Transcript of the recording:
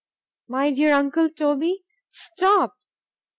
my dear uncle Toby——stop!